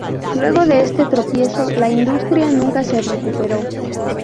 Luego de este tropiezo la industria nunca se recuperó.